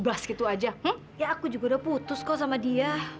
ya saya juga sudah putus dengan dia